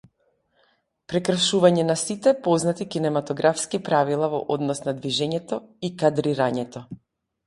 Прекршување на сите познати кинематографски правила во однос на движењето и кадрирањето.